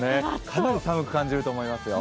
かなり寒く感じると思いますよ。